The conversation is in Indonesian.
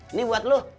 ini buat lo